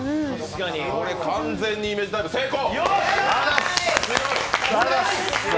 これ完全にイメージダイブ、成功！